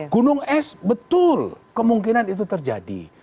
gunung es betul kemungkinan itu terjadi